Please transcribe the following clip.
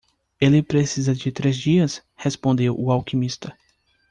"Ele precisa de três dias?" respondeu o alquimista.